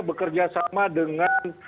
bekerja sama dengan